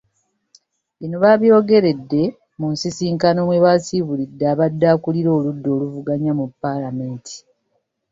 Bino babyogeredde mu nsisinkano mwe basiibulidde abadde akulira oludda oluvuganya mu Paalamenti.